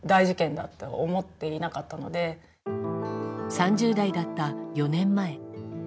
３０代だった４年前。